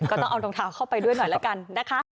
ก็ต้องเอารองเท้าเข้าไปด้วยหน่อยแล้วกันนะคะ